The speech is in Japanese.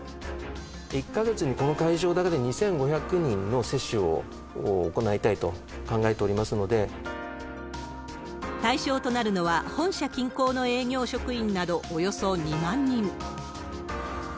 １か月にこの会場だけで２５００人の接種を行いたいと考えて対象となるのは、本社近郊の営業職員などおよそ２万人。